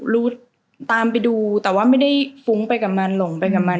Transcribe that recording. รู้ตามไปดูแต่ว่าไม่ได้ฟุ้งไปกับมันหลงไปกับมัน